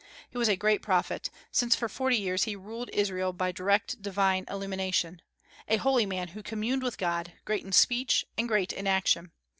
He was a great prophet, since for forty years he ruled Israel by direct divine illumination, a holy man who communed with God, great in speech and great in action.